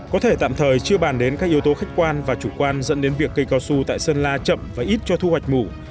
có thể tạm thời chưa bàn đến các yếu tố khách quan và chủ quan dẫn đến việc cây cao su tại sơn la chậm và ít cho thu hoạch mủ